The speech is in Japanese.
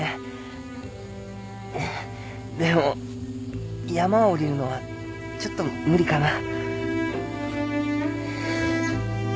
でも山を下りるのはちょっと無理かな。